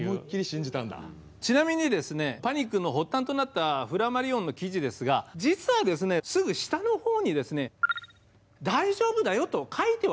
ちなみにパニックの発端となったフラマリオンの記事ですが実はすぐ下のほうに「大丈夫だよ」と書いてはいたんですよ。